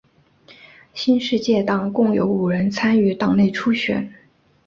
新世界党共有五人参与党内初选。